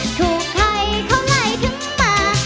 ถูกใครเขาไหลถึงมา